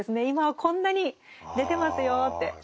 今はこんなに出てますよって。